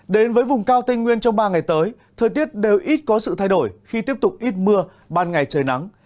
đến với vùng cao tây nguyên trong ba ngày tới thời tiết đều ít có sự thay đổi khi tiếp tục ít mưa ban ngày trời nắng